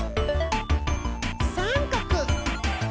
さんかく！